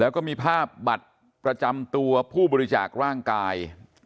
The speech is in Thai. แล้วก็มีภาพบัตรประจำตัวผู้บริจาคร่างกาย